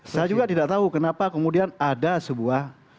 saya juga tidak tahu kenapa kemudian ada sebuah